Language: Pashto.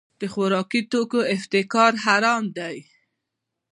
د خوراکي توکو احتکار حرام دی.